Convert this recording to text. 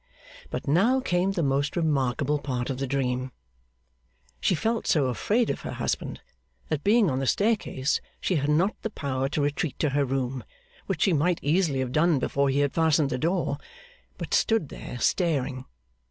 But now came the most remarkable part of the dream. She felt so afraid of her husband, that being on the staircase, she had not the power to retreat to her room (which she might easily have done before he had fastened the door), but stood there staring.